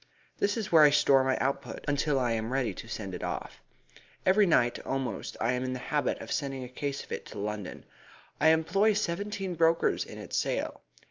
This is where I store my output until I am ready to send it off. Every night almost I am in the habit of sending a case of it to London. I employ seventeen brokers in its sale.